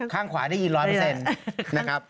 ข้างขวาได้ยินร้อยเปอร์เซ็นต์นะครับ